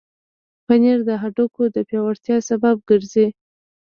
پنېر د هډوکو د پیاوړتیا سبب ګرځي.